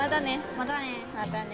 またね。